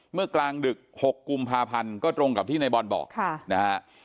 เมื่อกลางดึก๖กุมภาพันธ์ก็ตรงกับที่ในบอลบอกนะฮะ